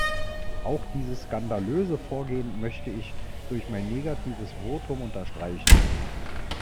Auch dieses skandalöse Vorgehen möchte ich durch mein negatives Votum unterstreichen!